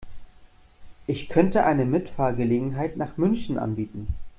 Ich könnte eine Mitfahrgelegenheit nach München anbieten